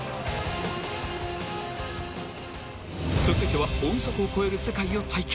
［続いては音速を超える世界を体験］